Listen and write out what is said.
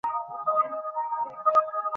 সবাই আমাদের দিকে তাকিয়ে আছে।